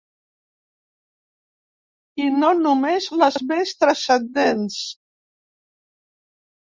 I no només les més trascendents.